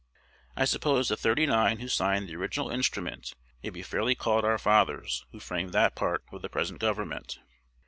I suppose the "thirty nine" who signed the original instrument may be fairly called our fathers who framed that part of the present Government.